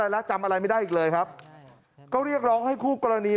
แล้วจำอะไรไม่ได้อีกเลยครับก็เรียกร้องให้คู่กรณี